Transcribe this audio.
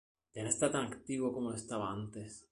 Ya no está tan activo como lo estaba antes.